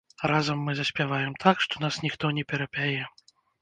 Разам мы заспяваем так, што нас ніхто не перапяе.